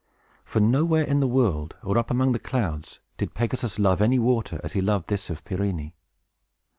For, nowhere in the world, or up among the clouds, did Pegasus love any water as he loved this of Pirene.